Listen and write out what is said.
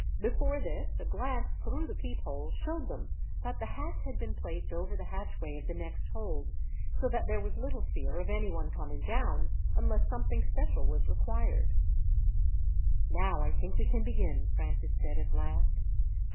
Before this, a glance, through the peephole, showed them that the hatch had been placed over the hatchway of the next hold, so that there was little fear of anyone coming down, unless something special was required. "Now I think we can begin," Francis said, at last.